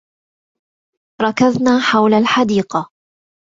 ركضنا حول الحديقة.